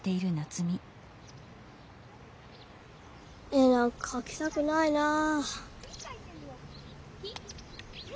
絵なんかかきたくないなあ。